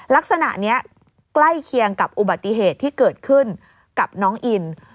ลักษณะนี้ใกล้เคียงกับอุบัติเหตุที่เกิดขึ้นกับน้องอิน